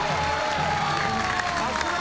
・さすが！